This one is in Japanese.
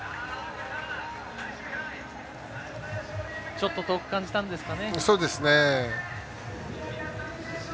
ちょっと遠く感じたんですかね。